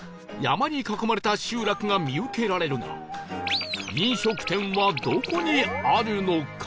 山に囲まれた集落が見受けられるが飲食店はどこにあるのか？